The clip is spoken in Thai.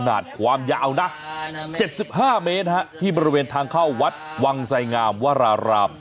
ขนาดความยาวนะ๗๕เมตรที่บริเวณทางเข้าวัดวังไสงามวราราม